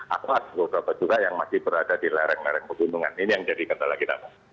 atau ada beberapa juga yang masih berada di lereng lereng pegunungan ini yang jadi kendala kita